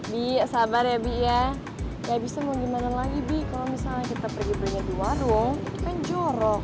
bi sabar ya bi ya nggak bisa mau gimana lagi bi kalau misalnya kita pergi pergi di warung kan jorok